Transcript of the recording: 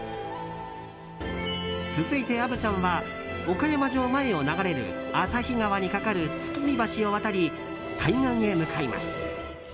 続いて虻ちゃんは岡山城前を流れる旭川に架かる月見橋を渡り対岸へ向かいます。